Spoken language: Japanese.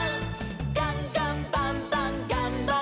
「ガンガンバンバンがんばる！」